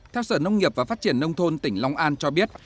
theo sở nông nghiệp và phát triển nông thôn tỉnh long an cho biết